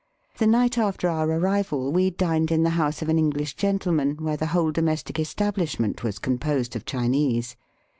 The night after our arrival we dined in the house of an English gentle man where the whole domestic estabhshment •was composed of Chinese.